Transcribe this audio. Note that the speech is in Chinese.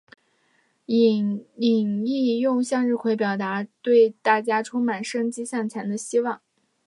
伊秩用向日葵表达出对大家充满生机向前的希望。